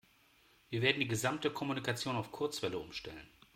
Wir werden die gesamte Kommunikation auf Kurzwelle umstellen.